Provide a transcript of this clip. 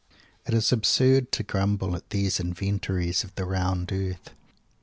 It is absurd to grumble at these Inventories of the Round Earth.